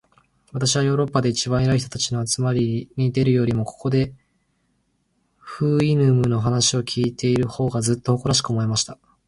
私はヨーロッパで一番偉い人たちの集まりに出るよりも、ここで、フウイヌムの話を開いている方が、ずっと誇らしく思えました。